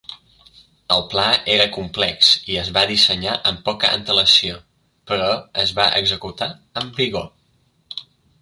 El pla era complex i es va dissenyar amb poca antelació, però es va executar amb vigor.